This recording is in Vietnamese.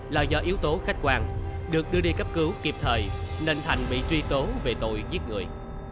là do yếu tố khách quan được đưa đi cấp cứu kịp thời nên thành bị truy tố về tội giết người